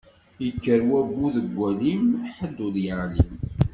Ikker wabbu deg walim, ḥedd ur yeɛlim.